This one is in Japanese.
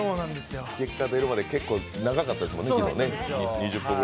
結果出るまで結構長かったですもん、昨日ね。